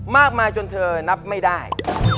มากมายจนเธอนับไม่ได้